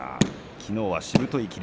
きのうはしぶとい霧